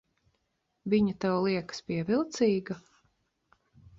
Viņa tev liekas pievilcīga?